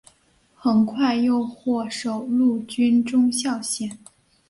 很快又获授陆军中校衔。